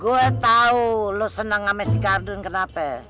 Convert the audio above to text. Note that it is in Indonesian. gue tau lo seneng sama si kardun kenapa